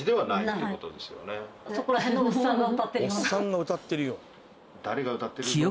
「おっさんが歌ってるよう」。